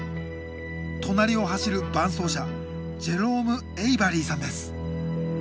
隣を走る伴走者ジェローム・エイバリーさんです。